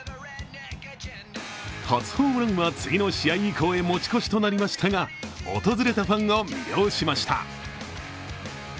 初ホームランは次の試合以降へ持ち越しとなりましたが訪れたファンを魅了しました。